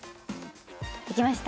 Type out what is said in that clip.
できました。